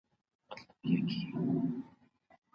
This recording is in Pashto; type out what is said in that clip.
ورځي په وينو رنګه ككــرۍ